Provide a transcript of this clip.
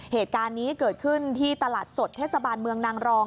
เหตุการณ์นี้เกิดขึ้นที่ตลาดสดเทศบาลเมืองนางรอง